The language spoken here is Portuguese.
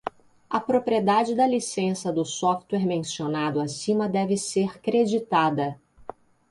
A propriedade da licença do software mencionado acima deve ser creditada.